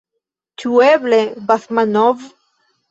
Ĉu eble Basmanov?